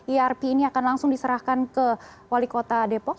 erp ini akan langsung diserahkan ke wali kota depok